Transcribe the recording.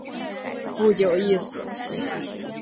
不久亦死。